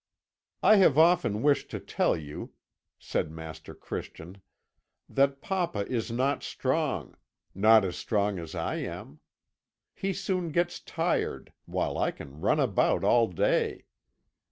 "'I have often wished to tell you,' said Master Christian, 'that papa is not strong not as strong as I am. He soon gets tired, while I can run about all day.